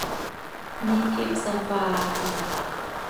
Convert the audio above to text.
Miiqui hpsafaa aha.